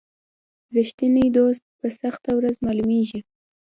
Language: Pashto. رښتینی دوست په سخته ورځ معلومیږي.